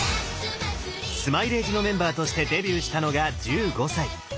スマイレージのメンバーとしてデビューしたのが１５歳。